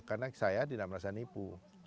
karena saya tidak merasa nipu